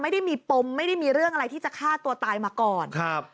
ไม่ได้มีปมไม่ได้มีเรื่องอะไรที่จะฆ่าตัวตายมาก่อนครับ